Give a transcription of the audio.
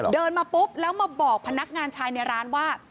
เดินมาปุ๊บแล้วมาบอกพนักงานชายในร้านว่า